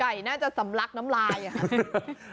ไก่น่าจะสำลักน้ำลายอะ